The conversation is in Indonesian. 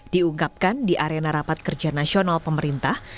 diungkapkan di arena rapat kerja nasional pemerintah